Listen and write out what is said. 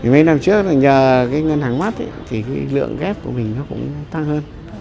mấy năm trước là nhờ cái ngân hàng mắt thì cái lượng ghép của mình nó cũng tăng hơn